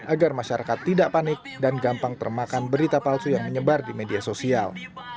agar masyarakat tidak panik dan gampang termakan berita palsu yang menyebar di media sosial